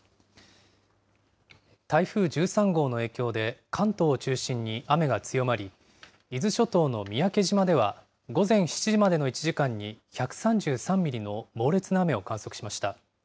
台風１３号の影響で、関東を中心に雨が強まり、伊豆諸島の三宅島では、午前７時までの１時間に、１３３ミリの猛烈な雨を観測しました。